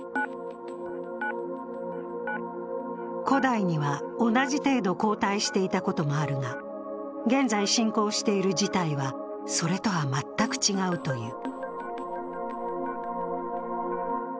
古代には同じ程度、後退していたこともあるが、現在進行している事態はそれとは全く違うという。